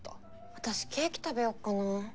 私ケーキ食べよっかな。